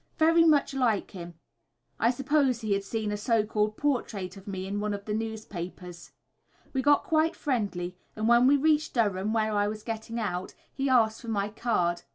very much like him." I suppose he had seen a so called portrait of me in one of the newspapers. We got quite friendly, and when we reached Durham, where I was getting out, he asked for my card.